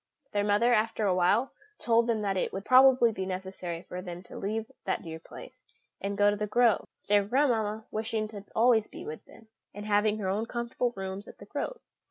Their mother, after a while, told them that it would probably be necessary for them to leave that dear place, and go to The Grove, their grandmamma wishing to be always with them, and having her own comfortable rooms at The Grove.